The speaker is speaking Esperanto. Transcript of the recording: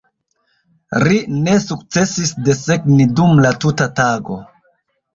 Ri ne sukcesis desegni dum la tuta tago.